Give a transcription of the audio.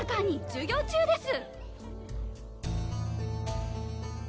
授業中です！